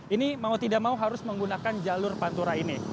ini mau tidak mau harus menggunakan jalur pantura ini